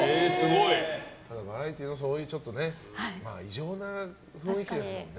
バラエティーはそういう異常な雰囲気ですもんね。